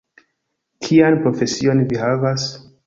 Kian profesion vi havas?